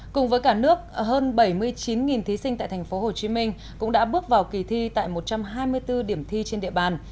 cùng với cả nước hơn bảy mươi chín thí sinh tại tp hcm cũng đã bước vào kỳ thi tại một trăm hai mươi bốn điểm thi trên địa bàn